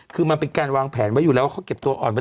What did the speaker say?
คือมันเป็นการวางแผนไว้อยู่แล้วว่าเขาเก็บตัวอ่อนไป